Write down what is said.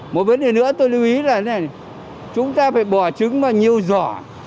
một vấn đề nữa tôi lưu ý là chúng ta phải bỏ trứng vào nhiều giỏ